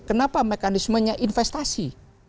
kenapa mekanismenya investasi